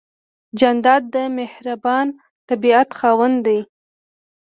جانداد د مهربان طبیعت خاوند دی.